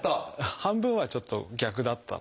半分はちょっと逆だったと。